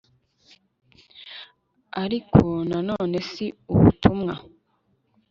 ariko na none si ubutumwa